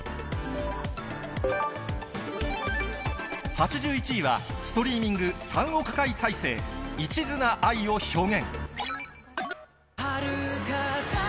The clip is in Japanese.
８１位は、ストリーミング３億回再生、一途な愛を表現。